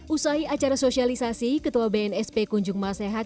usai acara sosialisasi ketua bnsp kunjung mas sehat